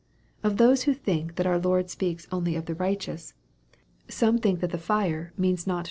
Of those who think that our Lord speaks only of the righteous, some think MARK, CHAP. X. 195 MAEK X. 112.